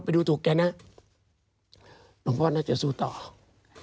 คือดูทรงแล้วเหมือนก็เตรียมใจรับเหมือนกัน